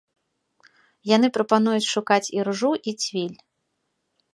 Яны прапануюць шукаць іржу і цвіль.